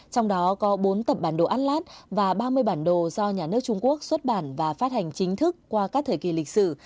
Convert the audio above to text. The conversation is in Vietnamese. trong đó có bốn tập bản đồ atlat và ba mươi bản đồ do nhà nước trung quốc xuất bản và phát hành chính thức qua các thời kỳ lịch sử